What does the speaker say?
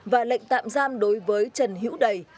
và lệnh tạm giam đối với trần hữu đầy